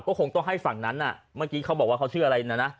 ก็คงต้องให้ฝั่งนั้นน่ะเมื่อกี้เขาบอกว่าเขาชื่ออะไรนะนะ